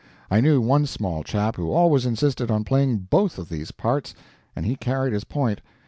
I knew one small chap who always insisted on playing BOTH of these parts and he carried his point.